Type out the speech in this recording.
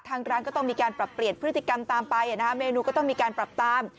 ทางร้านก็ต้องมีการปรับเปลี่ยนพฤติกรรมตามไปเมนูก็ต้องมีการปรับตาม